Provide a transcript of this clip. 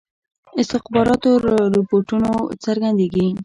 استخباراتو له رپوټونو څرګندیږي.